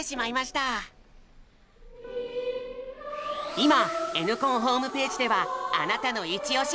今Ｎコンホームページではあなたのイチオシ！